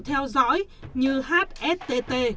theo dõi như hstt